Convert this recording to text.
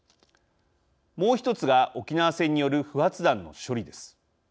もう１つが、沖縄戦による不発弾の処理です。